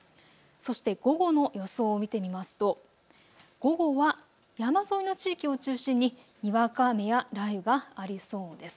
そして午後の予想を見てみますと午後は山沿いの地域を中心ににわか雨や雷雨がありそうです。